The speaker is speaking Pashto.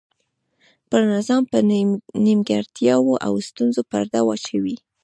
پر نظام پر نیمګړتیاوو او ستونزو پرده واچوي.